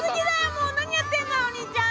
もう何やってんだよお兄ちゃん！